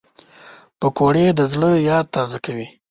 پکورې د زړه یاد تازه کوي